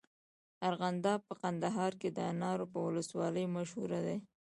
ارغنداب په کندهار کي د انارو په ولسوالۍ مشهوره دی.